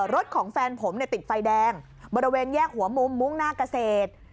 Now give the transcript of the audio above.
รถของแฟนผมติดไฟแดงบริเวณแยกหัวมุมมุ่งหน้าเกษตร